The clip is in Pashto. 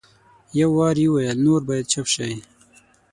یو وار یې وویل نور باید چپ شئ.